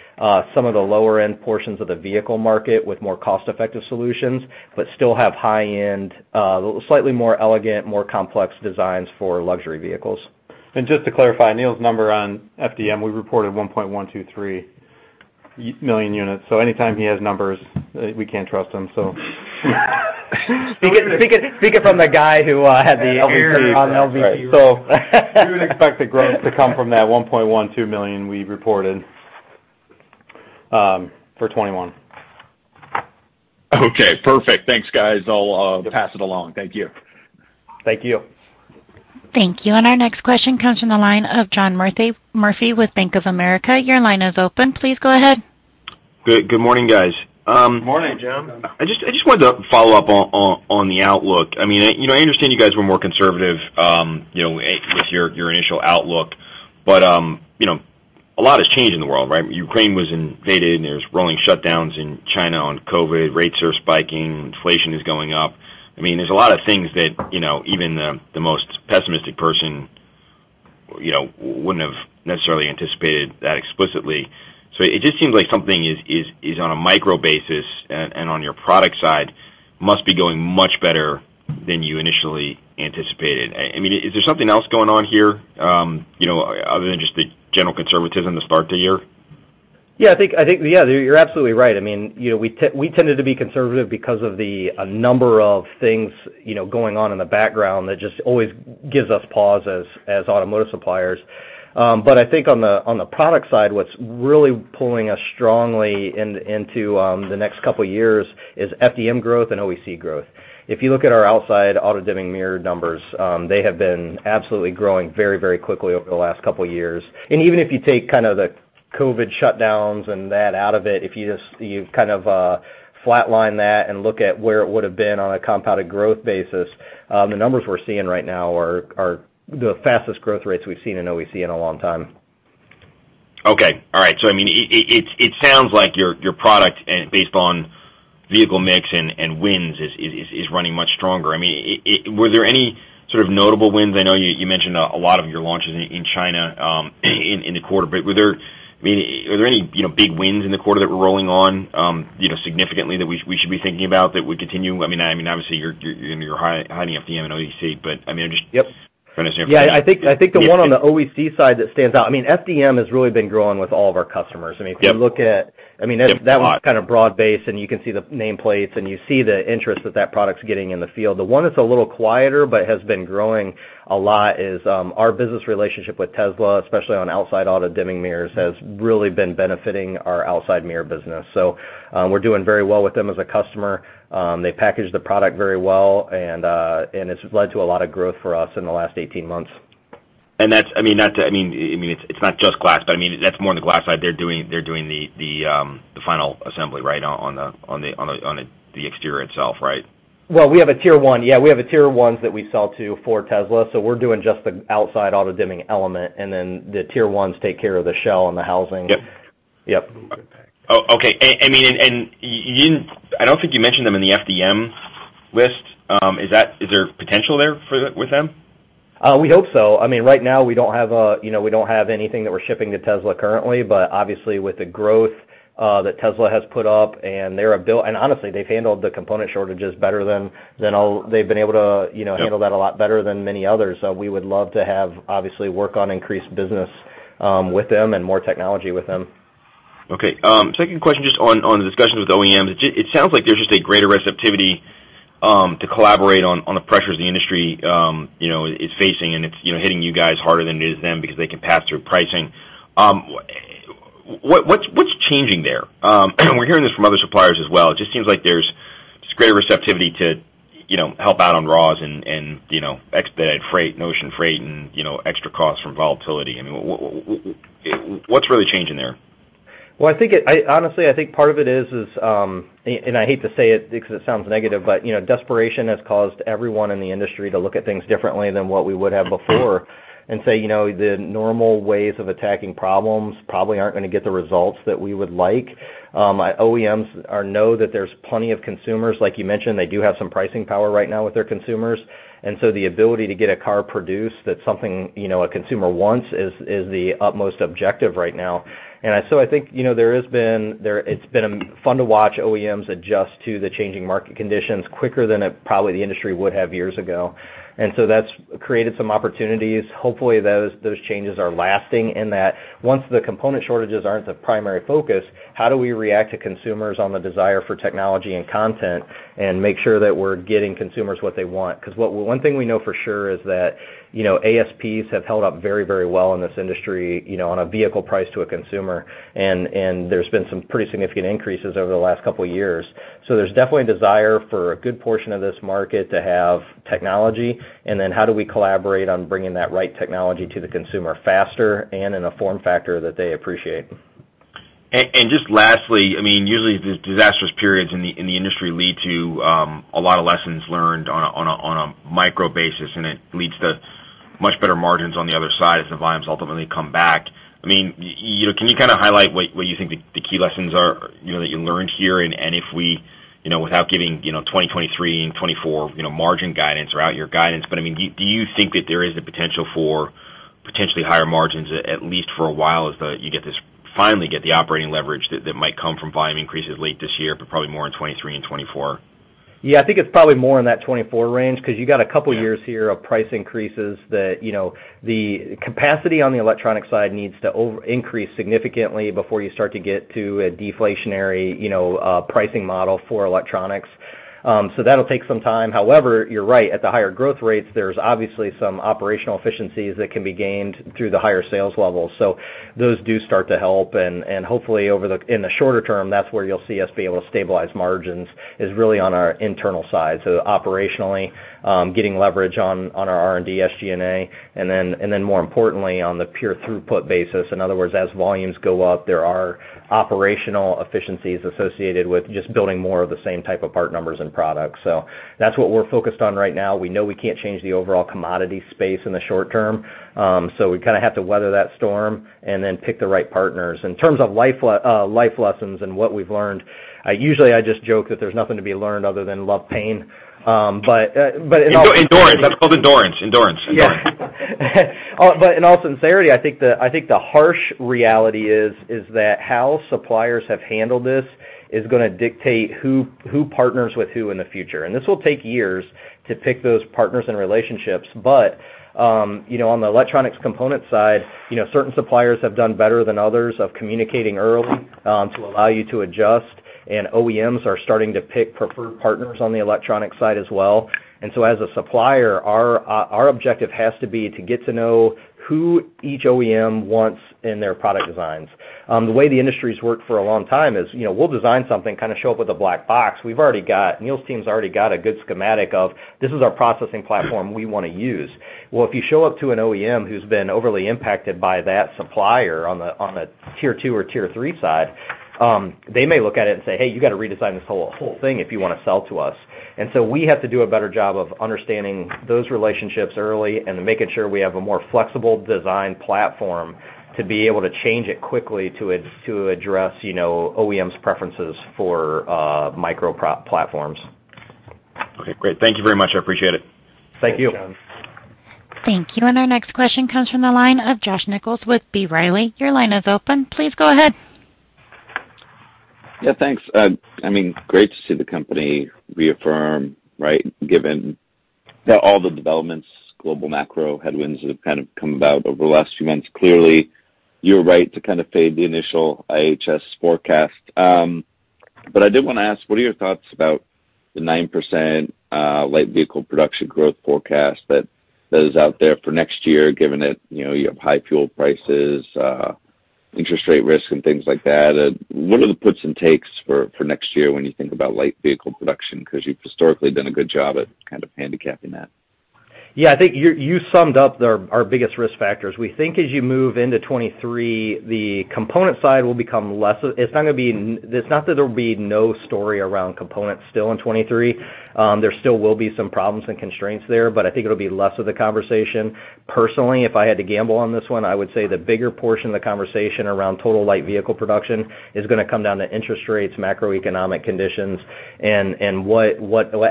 Speaker 3: some of the lower end portions of the vehicle market with more cost-effective solutions but still have high-end, slightly more elegant, more complex designs for luxury vehicles. Just to clarify, Neil's number on FDM, we reported 1.123 million units. Anytime he has numbers, we can't trust him. Speak it from the guy who had the LVT.
Speaker 5: Error.
Speaker 3: On LVT.
Speaker 10: We would expect the growth to come from that 1.12 million units we reported for 2021. Okay. Perfect. Thanks, guys. I'll pass it along. Thank you.
Speaker 3: Thank you.
Speaker 1: Thank you. Our next question comes from the line of John Murphy with Bank of America. Your line is open. Please go ahead.
Speaker 11: Good morning, guys.
Speaker 3: Morning, John.
Speaker 11: I just wanted to follow up on the outlook. I mean, you know, I understand you guys were more conservative with your initial outlook. You know, a lot has changed in the world, right? Ukraine was invaded, and there's rolling shutdowns in China on COVID, rates are spiking, inflation is going up. I mean, there's a lot of things that, you know, even the most pessimistic person you know wouldn't have necessarily anticipated that explicitly. It just seems like something is on a micro basis and on your product side must be going much better than you initially anticipated. I mean, is there something else going on here, you know, other than just the general conservatism to start the year?
Speaker 3: Yeah, I think, yeah, you're absolutely right. I mean, you know, we tended to be conservative because of a number of things, you know, going on in the background that just always gives us pause as automotive suppliers. I think on the product side, what's really pulling us strongly into the next couple years is FDM growth and OEC growth. If you look at our outside auto-dimming mirror numbers, they have been absolutely growing very quickly over the last couple years. Even if you take kind of the COVID shutdowns and that out of it, if you just kind of flatline that and look at where it would've been on a compounded growth basis, the numbers we're seeing right now are the fastest growth rates we've seen in OEC in a long time.
Speaker 11: Okay. All right. I mean, it sounds like your product and based on vehicle mix and wins is running much stronger. I mean, were there any sort of notable wins? I know you mentioned a lot of your launches in China in the quarter. Were there, I mean, are there any, you know, big wins in the quarter that were rolling on, you know, significantly that we should be thinking about that would continue? I mean, obviously you're high in FDM and OEC, but I mean, just.
Speaker 3: Yep.
Speaker 11: Trying to see if-
Speaker 3: Yeah, I think the one on the OEC side that stands out. I mean, FDM has really been growing with all of our customers. I mean
Speaker 11: Yep
Speaker 3: If you look at, I mean, that one's kind of broad-based, and you can see the nameplates, and you see the interest that that product's getting in the field. The one that's a little quieter but has been growing a lot is our business relationship with Tesla, especially on outside auto dimming mirrors, has really been benefiting our outside mirror business. We're doing very well with them as a customer. They package the product very well and it's led to a lot of growth for us in the last 18 months.
Speaker 11: That's, I mean, it's not just glass, but I mean, that's more on the glass side. They're doing the final assembly, right, on the exterior itself, right?
Speaker 3: Well, we have a Tier 1. Yeah, we have Tier 1s that we sell to for Tesla, so we're doing just the outside auto-dimming element, and then the Tier 1s take care of the shell and the housing.
Speaker 11: Yep.
Speaker 3: Yep.
Speaker 11: Oh, okay. You didn't, I don't think you mentioned them in the FDM list. Is there potential there for the, with them?
Speaker 3: We hope so. I mean, right now we don't have, you know, we don't have anything that we're shipping to Tesla currently. Obviously, with the growth that Tesla has put up, honestly, they've handled the component shortages better than they've been able to, you know, handle that a lot better than many others. We would love to have, obviously, work on increased business with them and more technology with them.
Speaker 11: Okay. Second question just on the discussions with OEMs. It sounds like there's just a greater receptivity to collaborate on the pressures the industry, you know, is facing and it's, you know, hitting you guys harder than it is them because they can pass through pricing. What's changing there? We're hearing this from other suppliers as well. It just seems like there's just greater receptivity to, you know, help out on raws and, you know, expedited freight and ocean freight and, you know, extra costs from volatility. I mean, what's really changing there?
Speaker 3: Well, I honestly think part of it is, and I hate to say it because it sounds negative, but you know, desperation has caused everyone in the industry to look at things differently than what we would have before and say, you know, the normal ways of attacking problems probably aren't gonna get the results that we would like. OEMs now know that there's plenty of consumers. Like you mentioned, they do have some pricing power right now with their consumers, and so the ability to get a car produced, that's something you know a consumer wants is the utmost objective right now. I think you know it's been fun to watch OEMs adjust to the changing market conditions quicker than probably the industry would have years ago. That's created some opportunities. Hopefully, those changes are lasting in that once the component shortages aren't the primary focus, how do we react to consumers on the desire for technology and content and make sure that we're getting consumers what they want? 'Cause one thing we know for sure is that, you know, ASPs have held up very, very well in this industry, you know, on a vehicle price to a consumer and there's been some pretty significant increases over the last couple years. There's definitely a desire for a good portion of this market to have technology, and then how do we collaborate on bringing that right technology to the consumer faster and in a form factor that they appreciate.
Speaker 11: Just lastly, I mean, usually these disastrous periods in the industry lead to a lot of lessons learned on a micro basis, and it leads to much better margins on the other side as the volumes ultimately come back. I mean, you know, can you kinda highlight what you think the key lessons are, you know, that you learned here? If we, you know, without giving, you know, 2023 and 2024, you know, margin guidance or out year guidance, but, I mean, do you think that there is the potential for potentially higher margins, at least for a while as you finally get the operating leverage that might come from volume increases late this year, but probably more in 2023 and 2024?
Speaker 3: Yeah, I think it's probably more in that 24 range 'cause you got a couple years here of price increases that, you know, the capacity on the electronic side needs to increase significantly before you start to get to a deflationary, you know, pricing model for electronics. So that'll take some time. However, you're right. At the higher growth rates, there's obviously some operational efficiencies that can be gained through the higher sales levels. So those do start to help and hopefully in the shorter term, that's where you'll see us be able to stabilize margins, is really on our internal side. So operationally, getting leverage on our R&D, SG&A, and then more importantly, on the pure throughput basis. In other words, as volumes go up, there are operational efficiencies associated with just building more of the same type of part numbers and products. That's what we're focused on right now. We know we can't change the overall commodity space in the short term, so we kinda have to weather that storm and then pick the right partners. In terms of life lessons and what we've learned, I usually just joke that there's nothing to be learned other than love pain. In all-
Speaker 4: That's called endurance.
Speaker 3: Yeah, in all sincerity, I think the harsh reality is that how suppliers have handled this is gonna dictate who partners with who in the future. This will take years to pick those partners and relationships. You know, on the electronics component side, you know, certain suppliers have done better than others at communicating early to allow you to adjust, and OEMs are starting to pick preferred partners on the electronic side as well. As a supplier, our objective has to be to get to know who each OEM wants in their product designs. The way the industry's worked for a long time is, you know, we'll design something, kinda show up with a black box. We've already got... Neil's team's already got a good schematic of this, our processing platform we wanna use. Well, if you show up to an OEM who's been overly impacted by that supplier on the, on a tier II or tier III side, they may look at it and say, "Hey, you gotta redesign this whole thing if you wanna sell to us." We have to do a better job of understanding those relationships early and making sure we have a more flexible design platform to be able to change it quickly to address, you know, OEM's preferences for micro platforms.
Speaker 11: Okay. Great. Thank you very much. I appreciate it.
Speaker 3: Thank you.
Speaker 9: Thanks, John.
Speaker 1: Thank you. Our next question comes from the line of Josh Nichols with B. Riley. Your line is open. Please go ahead.
Speaker 9: Yeah, thanks. I mean, great to see the company reaffirm, right, given that all the developments, global macro headwinds have kind of come about over the last few months. Clearly, you're right to kind of fade the initial IHS forecast. But I did wanna ask, what are your thoughts about the 9% light vehicle production growth forecast that is out there for next year, given that, you know, you have high fuel prices, interest rate risk and things like that? What are the puts and takes for next year when you think about light vehicle production? 'Cause you've historically done a good job at kind of handicapping that.
Speaker 3: Yeah. I think you summed up our biggest risk factors. We think as you move into 2023, the component side will become less. It's not that there'll be no story around components still in 2023. There still will be some problems and constraints there, but I think it'll be less of the conversation. Personally, if I had to gamble on this one, I would say the bigger portion of the conversation around total light vehicle production is gonna come down to interest rates, macroeconomic conditions, and what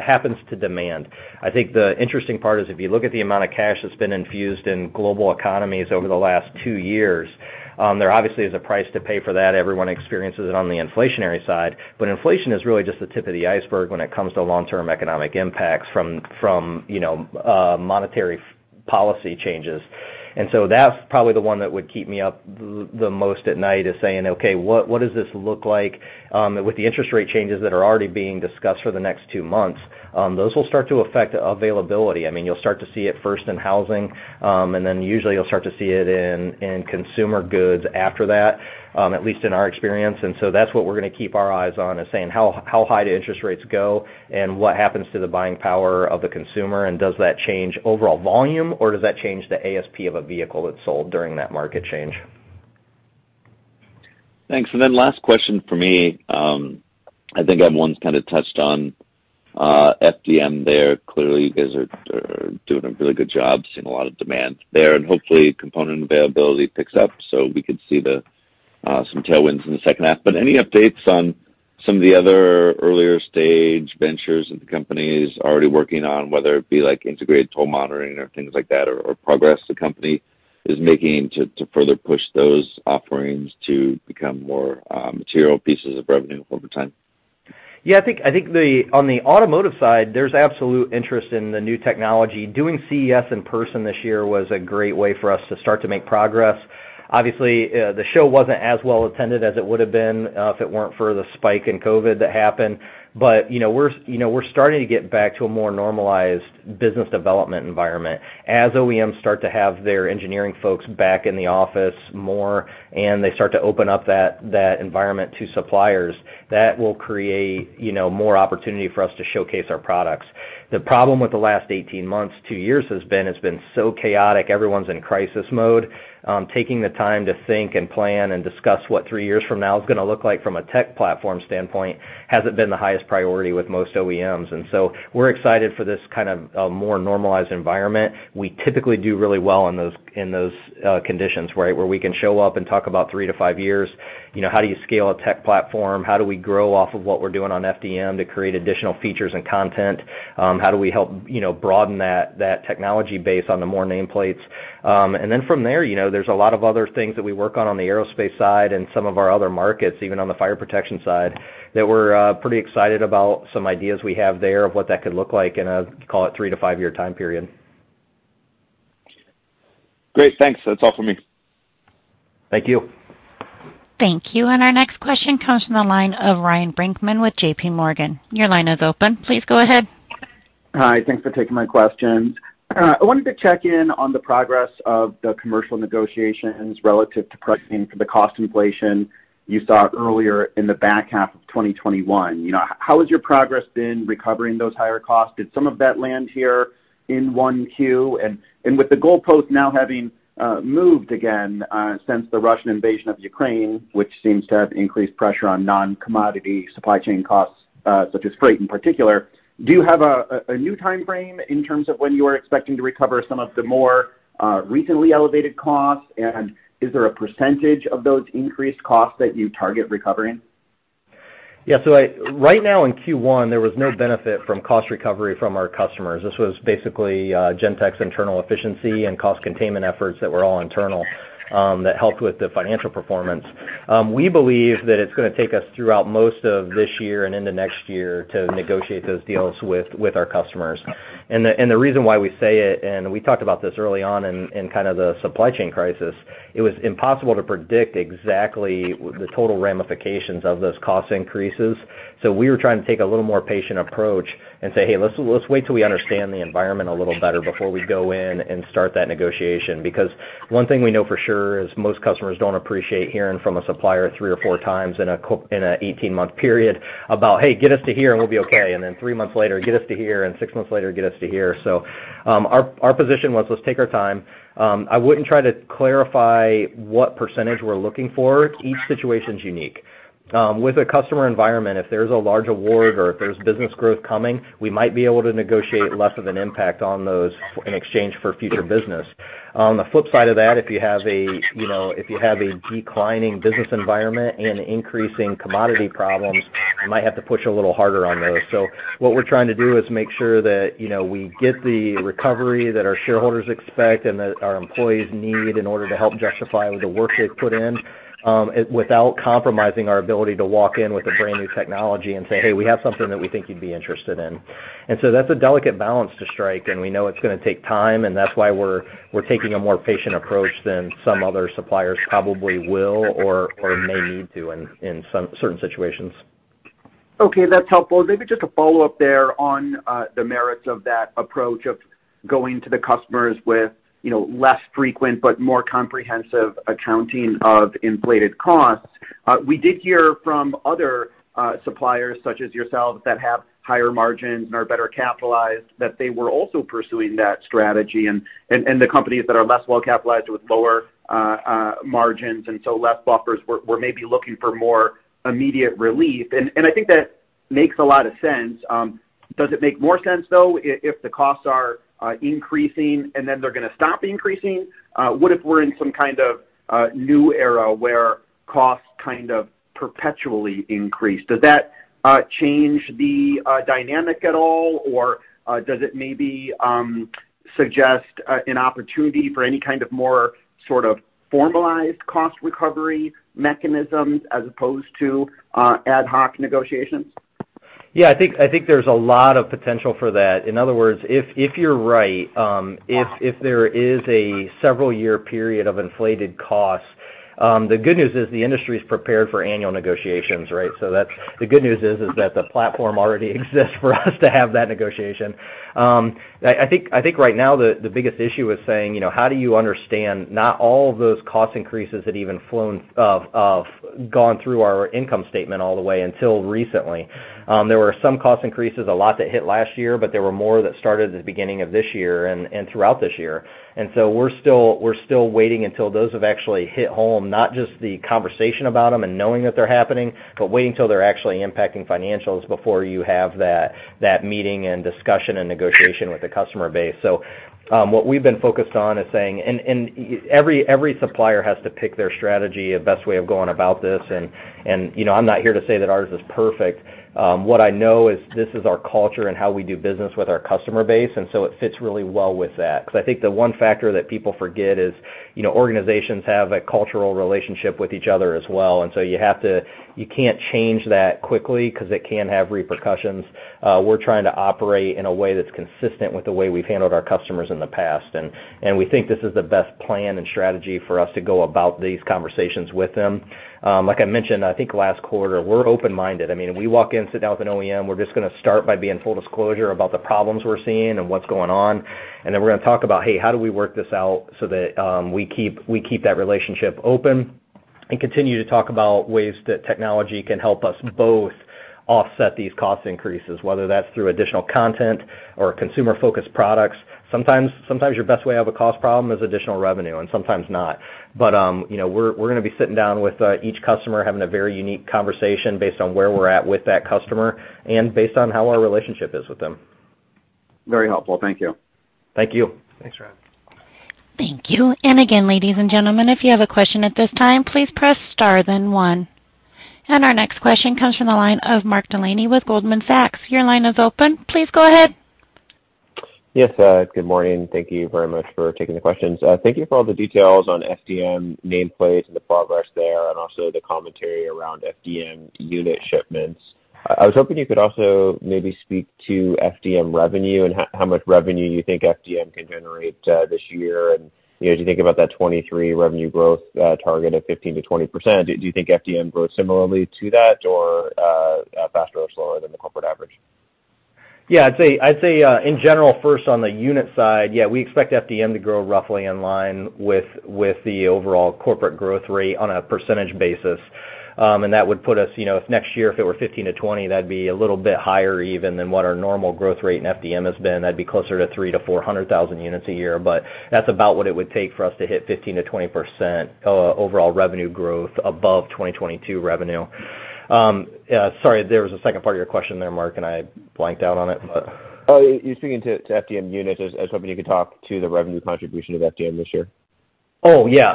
Speaker 3: happens to demand. I think the interesting part is if you look at the amount of cash that's been infused in global economies over the last two years, there obviously is a price to pay for that. Everyone experiences it on the inflationary side. Inflation is really just the tip of the iceberg when it comes to long-term economic impacts from you know monetary policy changes. That's probably the one that would keep me up the most at night is saying, "Okay, what does this look like with the interest rate changes that are already being discussed for the next two months?" Those will start to affect availability. I mean, you'll start to see it first in housing, and then usually you'll start to see it in consumer goods after that, at least in our experience. That's what we're gonna keep our eyes on, is saying how high do interest rates go, and what happens to the buying power of the consumer, and does that change overall volume, or does that change the ASP of a vehicle that's sold during that market change?
Speaker 9: Thanks. Last question for me. I think everyone's kinda touched on FDM there. Clearly, you guys are doing a really good job, seeing a lot of demand there. Hopefully, component availability picks up, so we could see the some tailwinds in the second half. Any updates on some of the other earlier stage ventures that the company is already working on, whether it be like Integrated Toll Module or things like that, or progress the company is making to further push those offerings to become more material pieces of revenue over time?
Speaker 3: Yeah, I think on the automotive side, there's absolute interest in the new technology. Doing CES in person this year was a great way for us to start to make progress. Obviously, the show wasn't as well attended as it would have been, if it weren't for the spike in COVID that happened. You know, we're, you know, we're starting to get back to a more normalized business development environment. As OEMs start to have their engineering folks back in the office more, and they start to open up that environment to suppliers, that will create, you know, more opportunity for us to showcase our products. The problem with the last 18 months, two years has been, it's been so chaotic. Everyone's in crisis mode. Taking the time to think and plan and discuss what three years from now is gonna look like from a tech platform standpoint hasn't been the highest priority with most OEMs. We're excited for this kind of more normalized environment. We typically do really well in those conditions, right? Where we can show up and talk about three to five years. You know, how do you scale a tech platform? How do we grow off of what we're doing on FDM to create additional features and content? How do we help, you know, broaden that technology base onto more nameplates? From there, you know, there's a lot of other things that we work on on the aerospace side and some of our other markets, even on the fire protection side, that we're pretty excited about some ideas we have there of what that could look like in a, call it, three to five year time period.
Speaker 9: Great. Thanks. That's all for me.
Speaker 3: Thank you.
Speaker 1: Thank you. Our next question comes from the line of Ryan Brinkman with J.P. Morgan. Your line is open. Please go ahead.
Speaker 12: Hi. Thanks for taking my questions. I wanted to check in on the progress of the commercial negotiations relative to pricing for the cost inflation you saw earlier in the back half of 2021. You know, how has your progress been recovering those higher costs? Did some of that land here in Q1? With the goalpost now having moved again since the Russian invasion of Ukraine, which seems to have increased pressure on non-commodity supply chain costs, such as freight in particular, do you have a new time frame in terms of when you are expecting to recover some of the more recently elevated costs? Is there a percentage of those increased costs that you target recovering?
Speaker 3: Right now, in Q1, there was no benefit from cost recovery from our customers. This was basically Gentex internal efficiency and cost containment efforts that were all internal that helped with the financial performance. We believe that it's gonna take us throughout most of this year and into next year to negotiate those deals with our customers. The reason why we say it, we talked about this early on in kind of the supply chain crisis. It was impossible to predict exactly the total ramifications of those cost increases. We were trying to take a little more patient approach and say, "Hey, let's wait till we understand the environment a little better before we go in and start that negotiation." Because one thing we know for sure is most customers don't appreciate hearing from a supplier three or four times in a 18-month period about, "Hey, get us to here, and we'll be okay." Then three months later, "Get us to here," and six months later, "Get us to here." Our position was let's take our time. I wouldn't try to clarify what percentage we're looking for. Each situation's unique. With a customer environment, if there's a large award or if there's business growth coming, we might be able to negotiate less of an impact on those in exchange for future business. On the flip side of that, you know, if you have a declining business environment and increasing commodity problems, you might have to push a little harder on those. What we're trying to do is make sure that, you know, we get the recovery that our shareholders expect and that our employees need in order to help justify the work they've put in without compromising our ability to walk in with a brand-new technology and say, "Hey, we have something that we think you'd be interested in." That's a delicate balance to strike, and we know it's gonna take time, and that's why we're taking a more patient approach than some other suppliers probably will or may need to in some certain situations.
Speaker 12: Okay, that's helpful. Maybe just a follow-up there on the merits of that approach of going to the customers with, you know, less frequent but more comprehensive accounting of inflated costs. We did hear from other suppliers such as yourselves that have higher margins and are better capitalized that they were also pursuing that strategy. The companies that are less well capitalized with lower margins and so less buffers were maybe looking for more immediate relief. I think that makes a lot of sense. Does it make more sense though if the costs are increasing and then they're gonna stop increasing? What if we're in some kind of new era where costs kind of perpetually increase? Does that change the dynamic at all? Does it maybe suggest an opportunity for any kind of more sort of formalized cost recovery mechanisms as opposed to ad hoc negotiations?
Speaker 3: Yeah, I think there's a lot of potential for that. In other words, if you're right, if there is a several-year period of inflated costs, the good news is the industry is prepared for annual negotiations, right? The good news is that the platform already exists for us to have that negotiation. I think right now the biggest issue is saying, you know, how do you understand not all of those cost increases had even gone through our income statement all the way until recently. There were some cost increases, a lot that hit last year, but there were more that started at the beginning of this year and throughout this year. We're still waiting until those have actually hit home, not just the conversation about them and knowing that they're happening, but waiting till they're actually impacting financials before you have that meeting and discussion and negotiation with the customer base. What we've been focused on is saying every supplier has to pick their strategy, a best way of going about this. You know, I'm not here to say that ours is perfect. What I know is this is our culture and how we do business with our customer base, and so it fits really well with that. 'Cause I think the one factor that people forget is, you know, organizations have a cultural relationship with each other as well, and so you have to, you can't change that quickly 'cause it can have repercussions. We're trying to operate in a way that's consistent with the way we've handled our customers in the past. We think this is the best plan and strategy for us to go about these conversations with them. Like I mentioned, I think last quarter, we're open-minded. I mean, if we walk in, sit down with an OEM, we're just gonna start by being full disclosure about the problems we're seeing and what's going on. Then we're gonna talk about, "Hey, how do we work this out so that we keep that relationship open and continue to talk about ways that technology can help us both offset these cost increases," whether that's through additional content or consumer-focused products. Sometimes your best way out of a cost problem is additional revenue and sometimes not. you know, we're gonna be sitting down with each customer, having a very unique conversation based on where we're at with that customer and based on how our relationship is with them.
Speaker 12: Very helpful. Thank you.
Speaker 3: Thank you.
Speaker 9: Thanks, Ryan.
Speaker 1: Thank you. Again, ladies and gentlemen, if you have a question at this time, please press star then one. Our next question comes from the line of Mark Delaney with Goldman Sachs. Your line is open. Please go ahead.
Speaker 13: Yes, good morning. Thank you very much for taking the questions. Thank you for all the details on FDM nameplates and the progress there and also the commentary around FDM unit shipments. I was hoping you could also maybe speak to FDM revenue and how much revenue you think FDM can generate, this year. You know, as you think about that 2023 revenue growth target of 15%-20%, do you think FDM grows similarly to that or faster or slower than the corporate average?
Speaker 3: Yeah, I'd say in general, first on the unit side, yeah, we expect FDM to grow roughly in line with the overall corporate growth rate on a percentage basis. That would put us, you know, if next year, if it were 15%-20%, that'd be a little bit higher even than what our normal growth rate in FDM has been. That'd be closer to 300,000-400,000 units a year, but that's about what it would take for us to hit 15%-20% overall revenue growth above 2022 revenue. Sorry, there was a second part of your question there, Mark, and I blanked out on it, but.
Speaker 13: Oh, you're speaking to FDM units. I was hoping you could talk to the revenue contribution of FDM this year.
Speaker 3: Oh, yeah.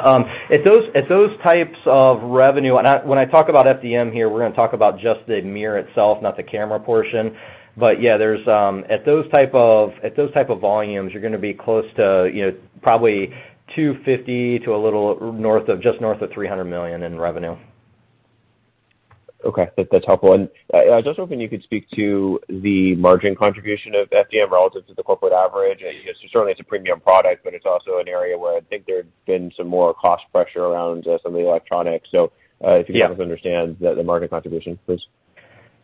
Speaker 3: At those types of revenue, when I talk about FDM here, we're gonna talk about just the mirror itself, not the camera portion. Yeah, there's at those type of volumes, you're gonna be close to, you know, probably $250 million to a little north of just north of $300 million in revenue.
Speaker 13: Okay. That's helpful. I was also hoping you could speak to the margin contribution of FDM relative to the corporate average. Certainly, it's a premium product, but it's also an area where I think there have been some more cost pressure around some of the electronics.
Speaker 3: Yeah.
Speaker 13: If you can help us understand the margin contribution, please.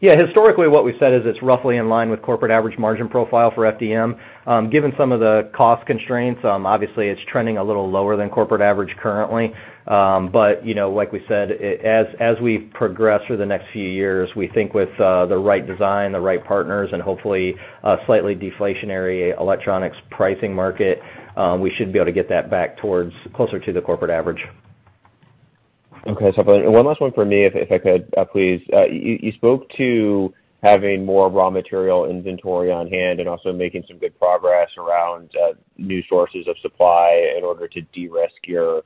Speaker 3: Yeah. Historically, what we said is it's roughly in line with corporate average margin profile for FDM. Given some of the cost constraints, obviously it's trending a little lower than corporate average currently. You know, like we said, as we progress through the next few years, we think with the right design, the right partners, and hopefully a slightly deflationary electronics pricing market, we should be able to get that back towards closer to the corporate average.
Speaker 13: Okay. One last one for me, if I could, please. You spoke to having more raw material inventory on hand and also making some good progress around new sources of supply in order to de-risk your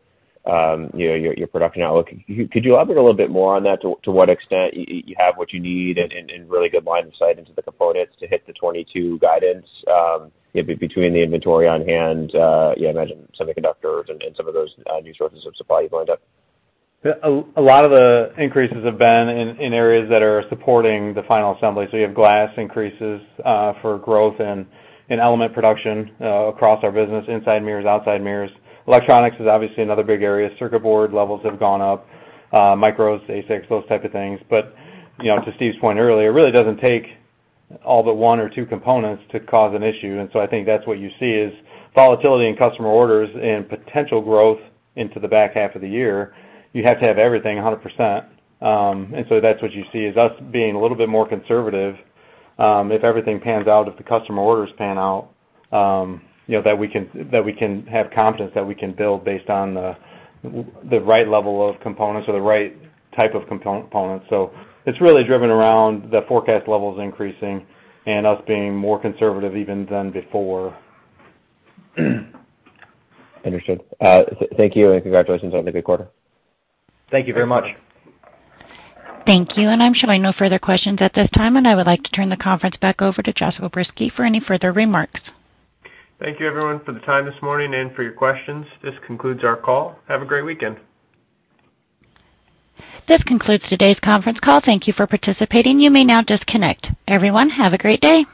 Speaker 13: you know your production outlook. Could you elaborate a little bit more on that to what extent you have what you need and really good line of sight into the components to hit the 22 guidance, maybe between the inventory on hand, you mentioned semiconductors and some of those new sources of supply you've lined up?
Speaker 4: A lot of the increases have been in areas that are supporting the final assembly. You have glass increases for growth and in element production across our business, inside mirrors, outside mirrors. Electronics is obviously another big area. Circuit board levels have gone up, micros, ASICs, those type of things. You know, to Steve's point earlier, it really doesn't take all but one or two components to cause an issue. I think that's what you see is volatility in customer orders and potential growth into the back half of the year. You have to have everything 100%. And so that's what you see is us being a little bit more conservative. If everything pans out, if the customer orders pan out, you know, that we can have confidence that we can build based on the right level of components or the right type of components. It's really driven around the forecast levels increasing and us being more conservative even than before.
Speaker 13: Understood. Thank you, and congratulations on the good quarter.
Speaker 4: Thank you very much.
Speaker 3: Thank you.
Speaker 1: Thank you. I'm showing no further questions at this time, and I would like to turn the conference back over to Josh O'Bersky for any further remarks.
Speaker 2: Thank you, everyone, for the time this morning and for your questions. This concludes our call. Have a great weekend.
Speaker 1: This concludes today's conference call. Thank you for participating. You may now disconnect. Everyone, have a great day.